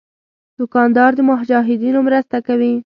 دوکاندار د مجاهدینو مرسته کوي.